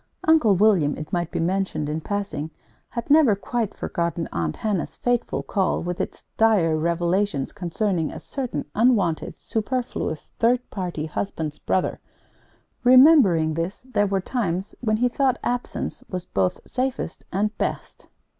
Uncle William, it might be mentioned in passing, had never quite forgotten Aunt Hannah's fateful call with its dire revelations concerning a certain unwanted, superfluous, third party husband's brother. Remembering this, there were times when he thought absence was both safest and best.